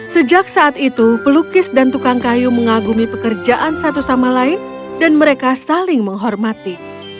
sejak saat itu pelukis dan tukang kayu mengagumi pekerjaan satu sama lain dan mereka saling menghormati